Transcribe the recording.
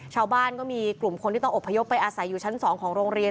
ชาวบ้านก็มีกลุ่มคนที่ต้องอบพยพไปอาศัยอยู่ชั้น๒ของโรงเรียน